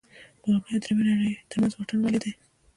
د لومړۍ او درېیمې نړۍ ترمنځ واټن ولې دی.